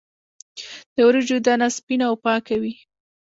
د وریجو دانه سپینه او پاکه وي.